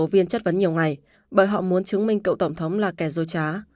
công tố viên chất vấn nhiều ngày bởi họ muốn chứng minh cậu tổng thống là kẻ dối trá